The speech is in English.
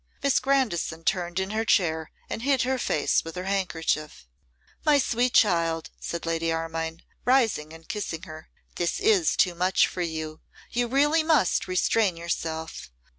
Miss Grandison turned in her chair, and hid her face with her handkerchief. 'My sweet child,' said Lady Armine, rising and kissing her, 'this is too much for you. You really must restrain yourself.